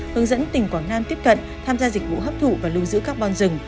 hướng dẫn tỉnh quảng nam tiếp cận tham gia dịch vụ hấp thụ và lưu giữ carbon rừng